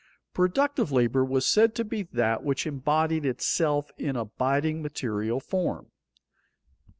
Productive labor was said to be that which embodied itself in abiding material form.